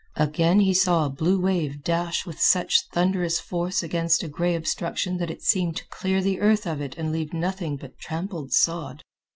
Again, he saw a blue wave dash with such thunderous force against a gray obstruction that it seemed to clear the earth of it and leave nothing but trampled sod.